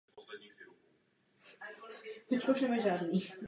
Hlasuji ve prospěch tohoto návrhu usnesení.